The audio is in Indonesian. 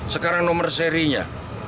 sekarang nomor serinya